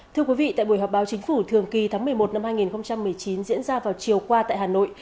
thưa quý vị tại buổi họp báo chính phủ thường kỳ tháng một mươi một năm hai nghìn một mươi chín diễn ra vào chiều qua tại hà nội